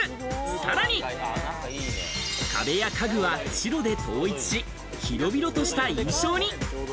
さらに、壁や家具は白で統一し、広々とした印象に。